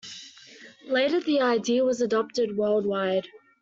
Later the idea was adopted worldwide.